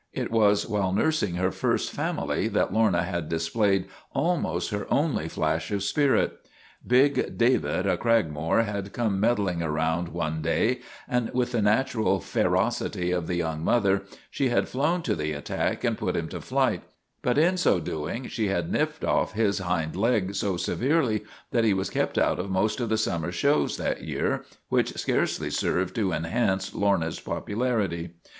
It was while nursing her first family that Lorna had displayed almost her only flash of spirit. Big 254 LORNA OF THE BLACK EYE David o' Cragmore had come meddling around one day and, with the natural ferocity of the young mother, she had flown to the attack and put him to flight, but in so doing she had nipped his off hind leg so severely that he was kept out of most of the summer shows that year, which scarcely served to enhance Lorna's popularity.